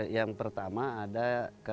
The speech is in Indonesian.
yang pertama ada